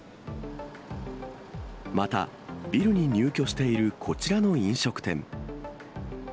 また、ビルに入居しているこちらの飲食店。